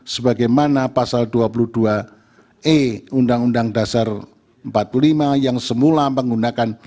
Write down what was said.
sebagaimana pasal dua puluh dua e undang undang dasar empat puluh lima yang semula menggunakan